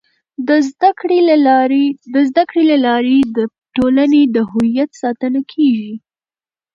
د زده کړې له لارې د ټولنې د هویت ساتنه کيږي.